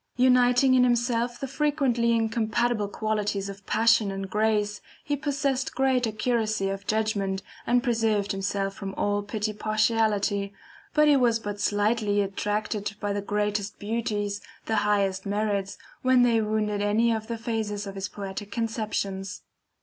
Uniting in himself the frequently incompatible qualities of passion and grace he possessed great accuracy of judgment, and preserved himself from all petty partiality, but he was but slightly attracted by the greatest beauties, the highest merits, when they wounded any of the phases of his poetic conceptions.